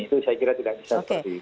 itu saya kira tidak bisa seperti itu